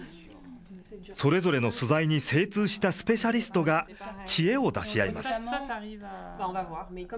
それぞれの素材に精通したスペシャリストが知恵を出し合います。